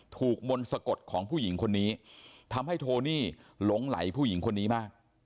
มนต์สะกดของผู้หญิงคนนี้ทำให้โทนี่หลงไหลผู้หญิงคนนี้มาก